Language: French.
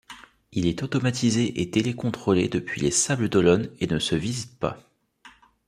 Il est automatisé et télécontrôlé depuis Les Sables-d'Olonne et ne se visite pas.